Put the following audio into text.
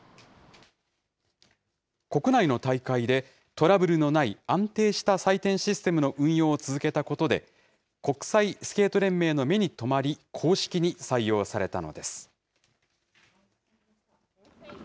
国内の大会で、トラブルのない安定した採点システムの運用を続けたことで、国際スケート連盟の目に留まり、公式に採用されたのです。